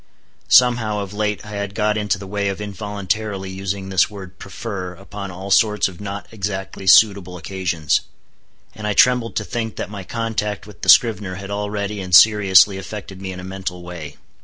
Somehow, of late I had got into the way of involuntarily using this word "prefer" upon all sorts of not exactly suitable occasions. And I trembled to think that my contact with the scrivener had already and seriously affected me in a mental way.